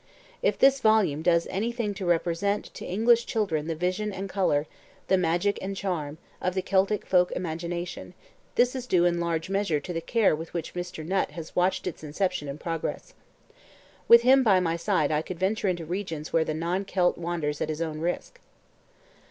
If this volume does anything to represent to English children the vision and colour, the magic and charm, of the Celtic folk imagination, this is due in large measure to the care with which Mr. Nutt has watched its inception and progress. With him by my side I could venture into regions where the non Celt wanders at his own risk.